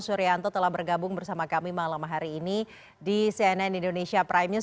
suryanto telah bergabung bersama kami malam hari ini di cnn indonesia prime news